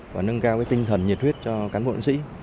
và nâng cao cái tinh thần nhiệt huyết cho cán bộ chiến sĩ